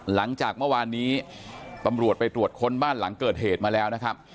หลังจากเมื่อวานนี้ตำรวจไปตรวจค้นบ้านหลังเกิดเหตุมาแล้วนะครับ